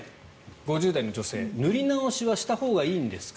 ５０代の女性塗り直しはしたほうがいいんですか？